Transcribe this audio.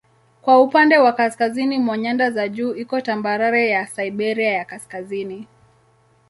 Kwa upande wa kaskazini mwa nyanda za juu iko tambarare ya Siberia ya Kaskazini.